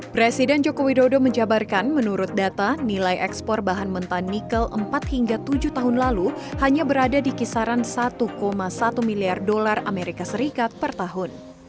presiden joko widodo menjabarkan menurut data nilai ekspor bahan mentah nikel empat hingga tujuh tahun lalu hanya berada di kisaran satu satu miliar dolar as per tahun